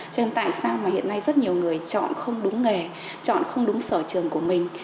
cho nên tại sao mà hiện nay rất nhiều người chọn không đúng nghề chọn không đúng sở trường của mình